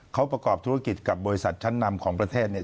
เขาประกอบธุรกิจกับบริษัทชั้นนำของประเทศเนี่ย